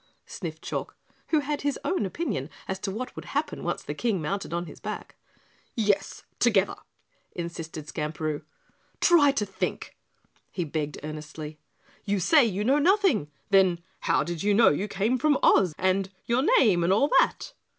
sniffed Chalk, who had his own opinion as to what would happen once the King mounted on his back. "Yes, together!" insisted Skamperoo. "Try to think," he begged earnestly. "You say you know nothing, then how did you know you came from Oz and your name and all that?"